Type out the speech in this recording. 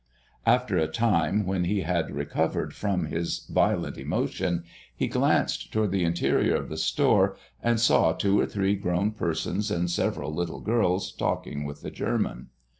After a time, when he had recovered from his violent emotion, he glanced toward the interior of the store and saw two or three grown persons and several little girls talking with the German.